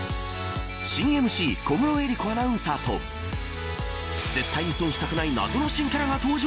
新ＭＣ小室瑛莉子アナウンサーと絶対に損したくない謎の新キャラが登場。